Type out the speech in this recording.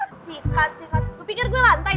sikat sikat lu pikir gua lantai di sikat sikat